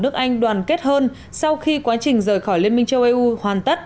nước anh đoàn kết hơn sau khi quá trình rời khỏi lãnh đạo